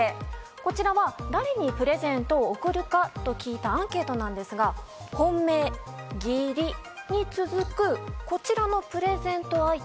こちらは誰にプレゼントを贈るかと聞いたアンケートですが本命、義理に続くこちらのプレゼント相手。